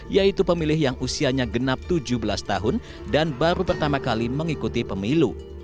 yaitu pemilih yang usianya genap tujuh belas tahun dan baru pertama kali mengikuti pemilu